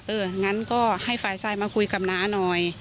งั้นก็ให้ฝ่ายทรายมาคุยกับน้าหน่อย